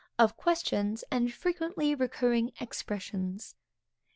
_Of Questions, and frequently recurring Expressions.